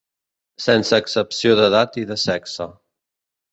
Sense excepció d'edat i de sexe.